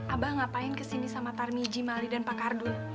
abah ngapain kesini sama tarmiji mali dan pak kardu